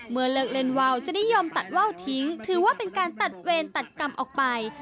เมื่อเลิกเล่นวาวจะนิยมตัดว่าวทิ้งถือว่าเป็นการตัดเวรตัดกรรมออกไป